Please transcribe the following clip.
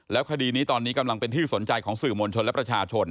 คดีนี้ตอนนี้กำลังเป็นที่สนใจของสื่อมวลชนและประชาชน